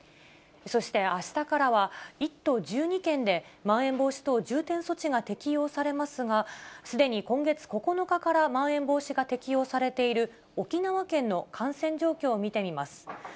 そして、あしたからは１都１２県でまん延防止等重点措置が適用されますが、すでに今月９日からまん延防止が適用されている、沖縄県の感染状況を見てみます。